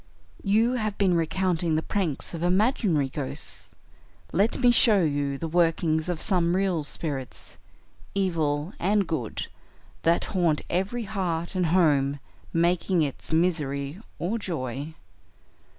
"You have been recounting the pranks of imaginary ghosts; let me show you the workings of some real spirits, evil and good, that haunt every heart and home, making its misery or joy.